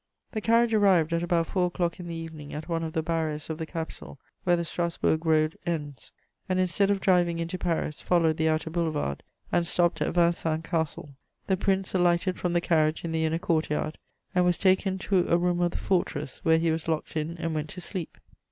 The carriage arrived at about four o'clock in the evening at one of the barriers of the capital, where the Strasburg road ends, and instead of driving into Paris, followed the outer boulevard and stopped at Vincennes Castle. The Prince alighted from the carriage in the inner court yard and was taken to a room of the fortress, where he was locked in and went to sleep.